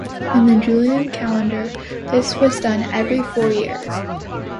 In the Julian calendar this was done every four years.